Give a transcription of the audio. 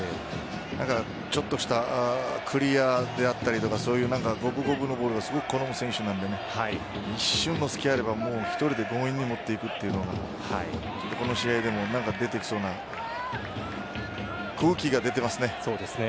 だからちょっとしたクリアであったり五分五分のボールを好む選手なので一瞬の隙があればどういうふうに持っていくかというのがこの試合でも出てきそうな空気が出ていますよね。